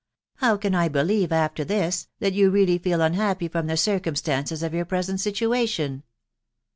How can I believe, after this, that you really feel unhappy from the p circumstances of your present situation